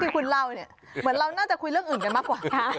คุณเล่าเนี่ยเหมือนเราน่าจะคุยเรื่องอื่นกันมากกว่า